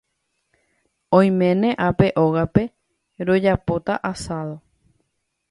Oiméne ápe ógape rojapóta asado.